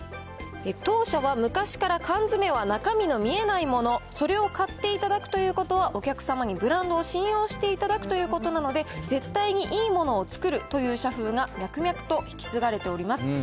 当社は昔から、缶詰は中身の見えないもの、それを買っていただくということは、お客様にブランドを信用していただくということなので、絶対にいいものを作るという社風が脈々と引き継がれております。